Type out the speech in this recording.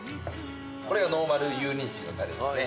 これがノーマル油淋鶏のタレですね。